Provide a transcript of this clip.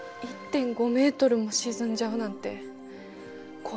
１．５ｍも沈んじゃうなんて怖いね。